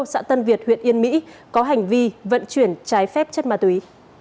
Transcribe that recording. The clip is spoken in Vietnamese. xã tân việt huyện yên mỹ có hành vi vận chuyển trái phép chất ma túy